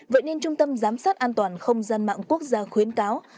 vậy nên trung tâm giám sát an toàn không gian mạng quốc gia khuyến cáo